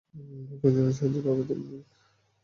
প্রয়োজনীয় সাহায্য পাবে তুমি, মিং।